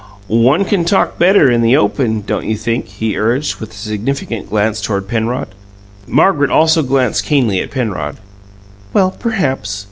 "One can talk better in the open, don't you think?" he urged, with a significant glance toward Penrod. Margaret also glanced keenly at Penrod. "Well, perhaps."